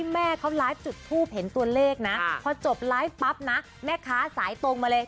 เมื่อจบไลฟ์ปั๊บนะแม่ค้าสายตรงมาเลย